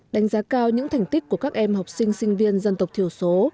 đánh giá cao những thành tích của các em học sinh sinh viên dân tộc thiểu số